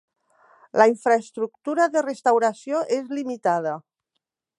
La infraestructura de restauració és limitada.